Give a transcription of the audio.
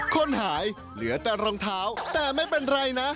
คนหายเหลือแต่รองเท้าแต่ไม่เป็นไรนะ